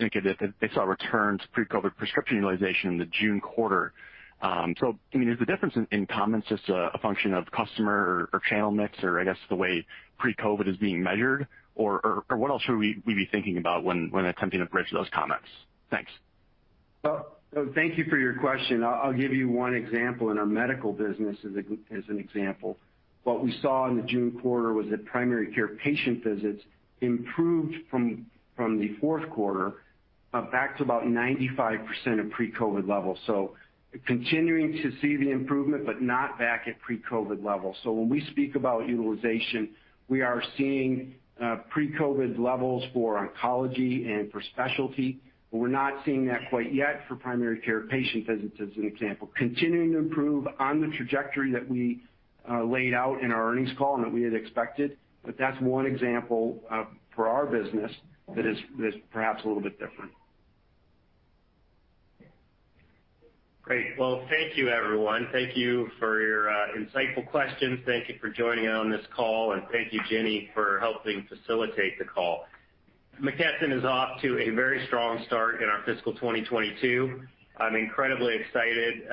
indicated that they saw a return to pre-COVID prescription utilization in the June quarter. I mean, is the difference in comments just a function of customer or channel mix, or I guess the way pre-COVID is being measured? Or what else should we be thinking about when attempting to bridge those comments? Thanks. Thank you for your question. I'll give you one example in our Medical-Surgical Solutions business as an example. What we saw in the June quarter was that primary care patient visits improved from the fourth quarter back to about 95% of pre-COVID levels. Continuing to see the improvement, but not back at pre-COVID levels. When we speak about utilization, we are seeing pre-COVID levels for oncology and for specialty, but we're not seeing that quite yet for primary care patient visits, as an example. Continuing to improve on the trajectory that we laid out in our earnings call, and that we had expected. That's one example for our business that is perhaps a little bit different. Great. Well, thank you, everyone. Thank you for your insightful questions. Thank you for joining on this call, and thank you, Jenny, for helping facilitate the call. McKesson is off to a very strong start in our fiscal 2022. I'm incredibly excited,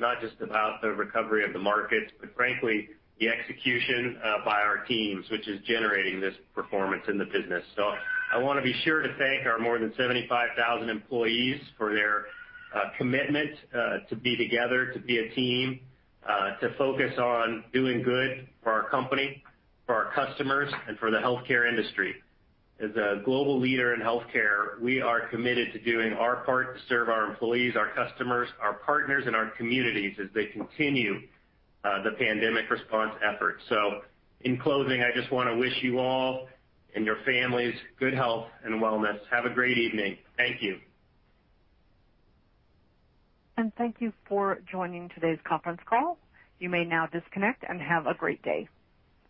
not just about the recovery of the markets, but frankly, the execution by our teams, which is generating this performance in the business. I want to be sure to thank our more than 75,000 employees for their commitment to be together, to be a team, to focus on doing good for our company, for our customers, and for the healthcare industry. As a global leader in healthcare, we are committed to doing our part to serve our employees, our customers, our partners, and our communities as they continue the pandemic response effort. In closing, I just want to wish you all and your families good health and wellness. Have a great evening. Thank you. Thank you for joining today's conference call. You may now disconnect and have a great day.